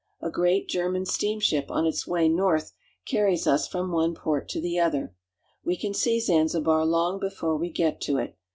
A great German steamship on its way north carries us from one port to the other. We can see Zanzibar long before we get to it.